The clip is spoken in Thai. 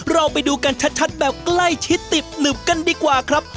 เราไปดูกันชัดแบบใกล้ชิดติดหนึบกันดีกว่าครับ